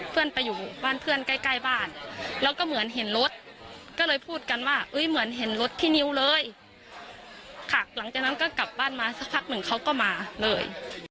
เพื่อนไปอยู่บ้านเพื่อนใกล้ใกล้บ้านแล้วก็เหมือนเห็นรถก็เลยพูดกันว่าเหมือนเห็นรถที่นิ้วเลยค่ะหลังจากนั้นก็กลับบ้านมาสักพักหนึ่งเขาก็มาเลย